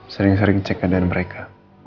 sering sering cek keadaan mereka